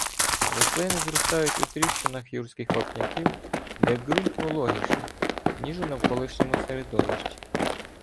Рослини зростають у тріщинах юрських вапняків, де ґрунт вологіший, ніж у навколишньому середовищі.